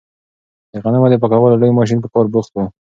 د غنمو د پاکولو لوی ماشین په کار بوخت و.